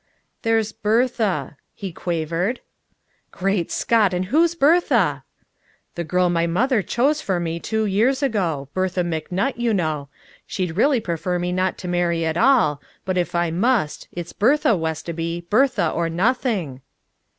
"There's Bertha," he quavered. "Great Scott, and who's Bertha?" "The girl my mother chose for me two years ago Bertha McNutt, you know. She'd really prefer me not to marry at all, but if I must it's Bertha, Westoby Bertha or nothing!"